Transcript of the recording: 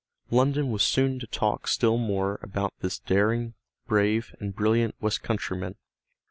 London was soon to talk still more about this daring, brave, and brilliant Westcountryman.